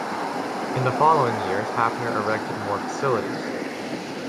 In the following years, Haffner erected more facilities.